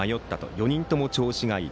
４人とも調子がいい。